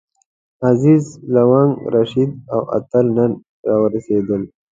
عزیز، لونګ، رشید او اتل نن راورسېدل.